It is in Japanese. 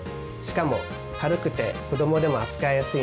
しかも軽くて子どもでも扱いやすいんです。